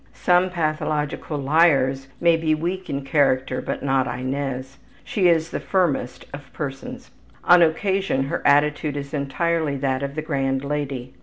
Some pathological liars may be weak in character, but not Inez. She is the firmest of persons. On occasions her attitude is entirely that of the grand lady.